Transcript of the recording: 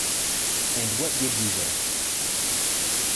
And what did you there?